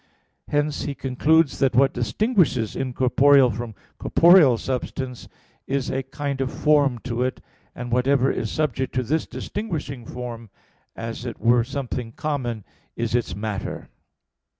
Hence he concludes that what distinguishes incorporeal from corporeal substance is a kind of form to it, and whatever is subject to this distinguishing form, as it were something common, is its matter.